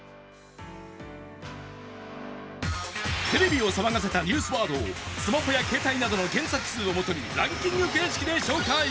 テレビを騒がせたニュースワードをスマホや携帯などの検索数を基にランキング形式で紹介。